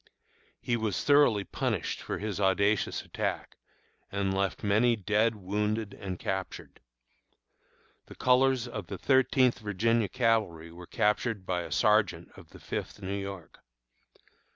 He was thoroughly punished for his audacious attack, and left many dead, wounded, and captured. The colors of the Thirteenth Virginia Cavalry were captured by a sergeant of the Fifth New York.